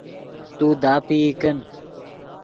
تو داپئی کن